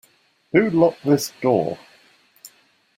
Who locked this door?